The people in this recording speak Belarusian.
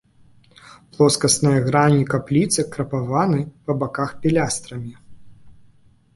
Плоскасныя грані капліцы крапаваны па баках пілястрамі.